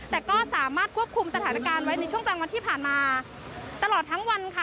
แต่ก็สามารถควบคุมสถานการณ์ไว้ในช่วงกลางวันที่ผ่านมาตลอดทั้งวันค่ะ